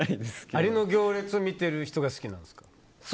アリの行列を見てる人が好きなんですか？